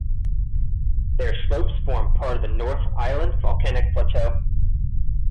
Their slopes form part of the North Island Volcanic Plateau.